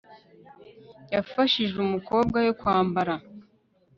yafashije umukobwa we kwambara